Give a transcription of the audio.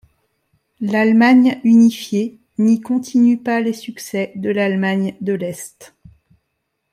L'Allemagne unifiée n'y continue pas les succès de l'Allemagne de l'Est.